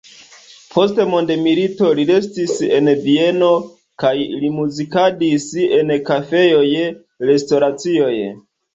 Post la mondomilito li restis en Vieno kaj li muzikadis en kafejoj, restoracioj.